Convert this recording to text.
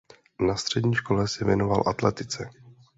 Na střední škole se věnoval atletice.